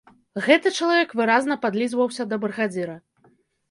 Гэты чалавек выразна падлізваўся да брыгадзіра.